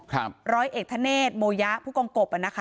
ร้อยเอกทะเนตโมยะผู้กองกบนะฮะ